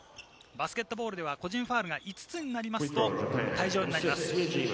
バスケットボールでは個人ファウルが５つになりますと退場になります。